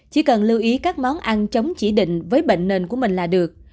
chỉ cần lưu ý các món ăn chống chỉ định với bệnh nền của mình là được